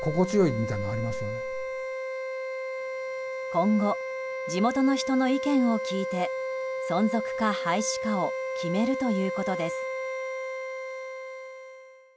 今後、地元の人の意見を聞いて存続か廃止かを決めるということです。